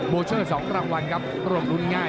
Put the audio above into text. เชอร์๒รางวัลครับร่วมรุ้นง่าย